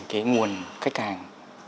cái nguồn khách hàng